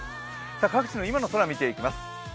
各地の今の空見ていきます。